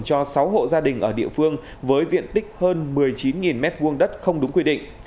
cho sáu hộ gia đình ở địa phương với diện tích hơn một mươi chín m hai đất không đúng quy định